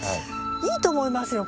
いいと思いますよ